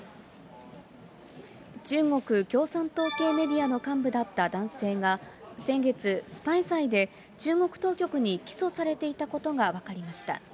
中国共産党系メディアの幹部だった男性が、先月、スパイ罪で中国当局に起訴されていたことが分かりました。